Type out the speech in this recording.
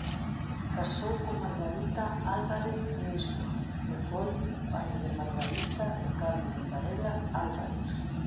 Casou con Margarita Álvarez Insua e foi pai de Margarita e Carmen Varela Álvarez.